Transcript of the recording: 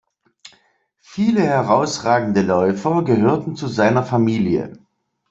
Viele herausragende Läufer gehörten zu seiner Familie.